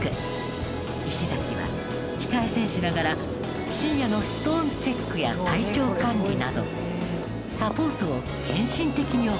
石崎は控え選手ながら深夜のストーンチェックや体調管理などサポートを献身的に行ったのです。